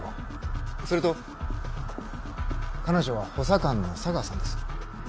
それと彼女は補佐官の茶川さんです。